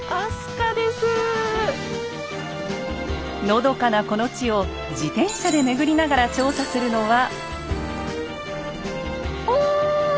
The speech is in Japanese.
のどかなこの地を自転車で巡りながら調査するのは。